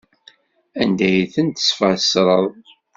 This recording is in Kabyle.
Anda ay tent-tfesreḍ?